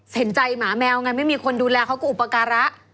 เห็นใจหมาแมวไงไม่มีคนดูแลเขาก็อุปการะ